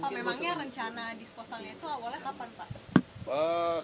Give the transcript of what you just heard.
pak memangnya rencana disposalnya itu awalnya kapan pak